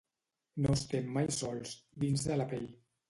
No estem mai sols, dins de la pell.